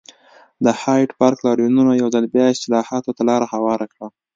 د هایډپارک لاریونونو یو ځل بیا اصلاحاتو ته لار هواره کړه.